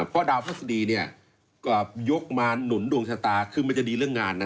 เพราะดาวพฤษฎีเนี่ยก็ยกมาหนุนดวงชะตาคือมันจะดีเรื่องงานนะ